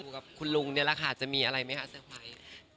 ต้องดูกับคุณลุงเนี่ยแหละค่ะจะมีอะไรไหมค่ะเซอร์ไฟล์